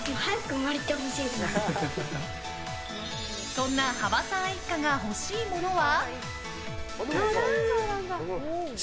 そんな幅さん一家が欲しいものは？